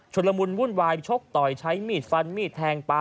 ละมุนวุ่นวายชกต่อยใช้มีดฟันมีดแทงปลา